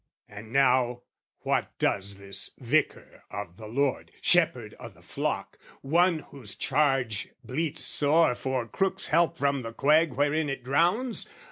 And now what does this Vicar of the Lord, Shepherd o' the flock, one of whose charge bleats sore For crook's help from the quag wherein it drowns?